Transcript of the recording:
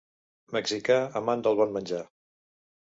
Mexicà amant del bon menjar.